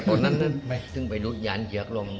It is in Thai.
ตรงนั้นน่ะซึ่งไปดูอย่างเฉียงลง